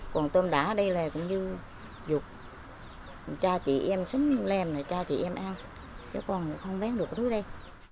còn tôm đá đây là cũng như dục cha chị em sống làm là cha chị em ăn chứ còn không bán được cái thứ đây